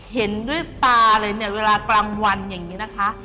เห็นด้วยตาเลยเนี่ยเวลากลางวันอย่างนี้นะคะ